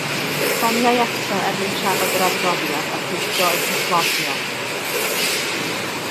Ffoniai eto er mwyn trafod yr adroddiad a cheisio eu perswadio